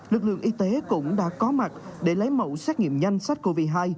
lực lượng y tế cũng đã có mặt để lấy mẫu xét nghiệm nhanh sát covid một mươi chín